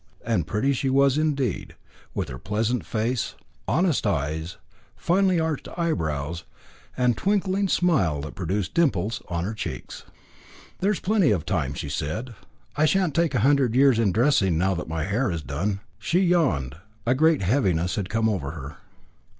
And pretty she was indeed, with her pleasant face, honest eyes, finely arched brows, and twinkling smile that produced dimples in her cheeks. "There is plenty of time," she said. "I shan't take a hundred years in dressing now that my hair is done." She yawned. A great heaviness had come over her.